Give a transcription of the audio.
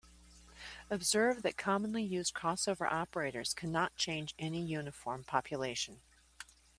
Observe that commonly used crossover operators cannot change any uniform population.